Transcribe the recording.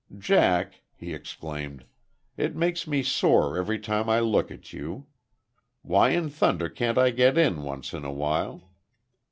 "Jack," he exclaimed, "it makes me sore every time I look at you. Why in thunder can't I get in once in a while?